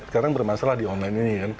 sekarang bermasalah di online ini kan